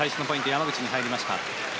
山口に入りました。